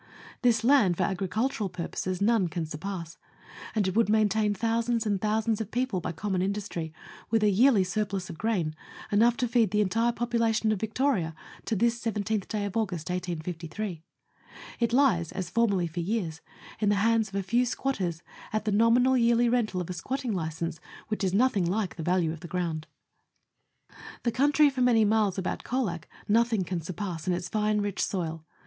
This land, for agricultural purposes, none can surpass, and it would maintain thousands and thousands of people by common industry, with a yearly surplus of grain, enough to feed the entire population of Victoria to this 17th day of August 1853. It lies, as formerly for years, in the hands of a few squatters at the nominal yearly rental of a squatting license, which is nothing like the value of the ground. The country for many miles about Colac nothing can sur pass in its fine, rich soil.